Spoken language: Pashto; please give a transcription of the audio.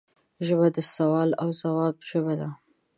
ژبه د سوال او ځواب ژبه ده